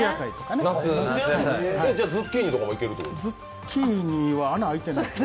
ズッキーニとかもいけるんですか？